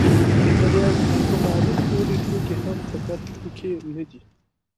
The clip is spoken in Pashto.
د رياضي په معلم پورې ټوکې هم فقط ټوکې نه دي.